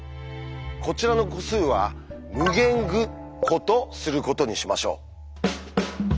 こちらの個数は「∞ぐ」個とすることにしましょう。